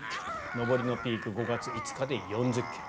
上りのピーク５月５日で４０ｋｍ。